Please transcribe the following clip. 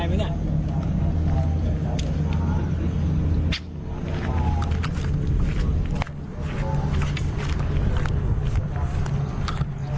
ได้ไหมเนี่ย